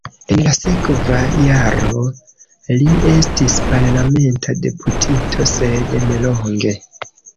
En la sekva jaro li estis parlamenta deputito, sed nelonge.